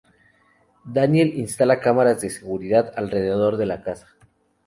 Daniel instala cámaras de seguridad alrededor de la casa.